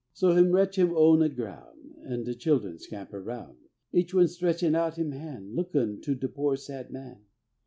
So him re'ch him own a groun', An' de children scamper roun', Each one stretchin' out him han', Lookin' to de poor sad man.